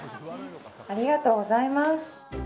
ありがとうございます！